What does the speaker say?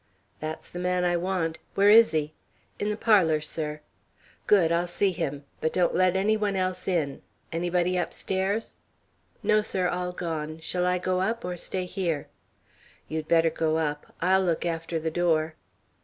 "That's the man I want. Where is he?" "In the parlor, sir." "Good! I'll see him. But don't let any one else in. Anybody upstairs?" "No, sir, all gone. Shall I go up or stay here?" "You'd better go up. I'll look after the door."